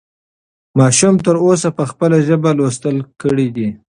ماشوم تر اوسه په خپله ژبه لوستل کړي دي.